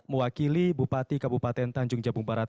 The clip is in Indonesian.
mewakili bupati kabupaten tanjung jabung barat